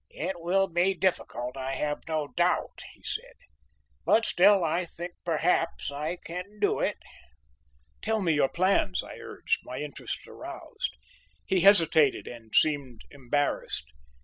"It will be difficult, I have no doubt," he said, "but still I think perhaps I can do it." "Tell me your plans," I urged, my interest aroused. He hesitated and seemed embarrassed.